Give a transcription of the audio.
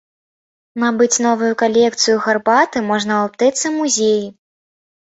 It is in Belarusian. Набыць новую калекцыю гарбаты можна ў аптэцы-музеі.